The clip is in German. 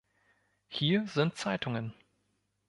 Hier sind Zeitungen.